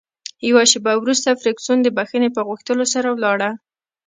یوه شیبه وروسته فرګوسن د بښنې په غوښتلو سره ولاړه.